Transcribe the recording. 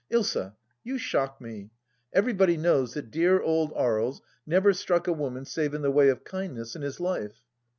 " Ilsa, you shock me ! Everybody knows that dear old Aries never struck a woman save in the way of kindness in his life."